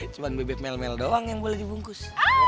cuma bebek mel mel doang yang boleh dibungkus